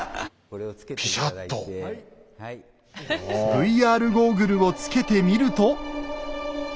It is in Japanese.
ＶＲゴーグルをつけてみると。